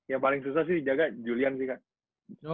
yang paling susah sih jaga julian sih kak